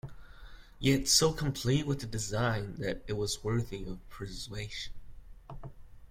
Yet, so complete was the design that it was worthy of preservation.